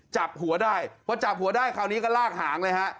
จับหัวได้พอจับหัวได้คราวนี้ก็ลากหางเลยฮะ